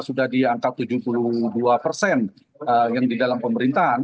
sudah di angka tujuh puluh dua persen yang di dalam pemerintahan